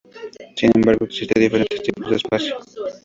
Sin embargo, existe diferentes tipos de espacio.